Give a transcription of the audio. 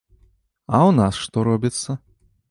А ў нас што робіцца?